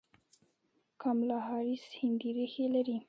کاملا هاریس هندي ریښې لري.